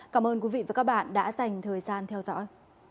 cảm ơn quý vị và các bạn đã dành thời gian theo dõi